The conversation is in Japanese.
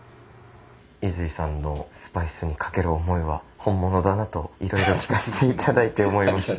泉井さんのスパイスにかける思いは本物だなといろいろ聞かせて頂いて思いました。